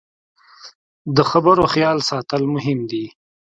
د خبرو خیال ساتل مهم دي